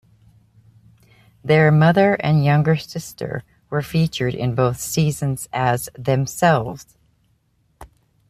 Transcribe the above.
Their mother and younger sister were featured in both seasons as themselves.